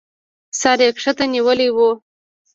سر يې کښته نيولى و.